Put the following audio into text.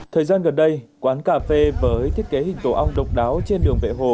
thời gian gần đây quán cà phê với thiết kế hình tổ ong độc đáo trên đường vệ hồ